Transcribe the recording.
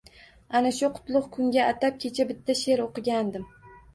Ana shu qutlug` kunga atab kecha bitta she`r o`qigandim